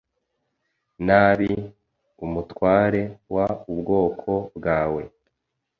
nabi umutware w ubwoko bwawe